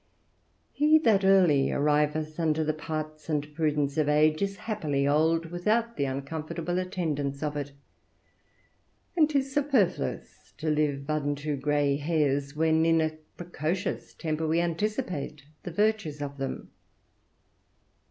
He that early arriveth unto the parts and prudence of age is happily old without the uncomfortable attendants of it; and 'tis superfluous to live unto gray hairs, when in a precocious temper we anticipate the virtues of them.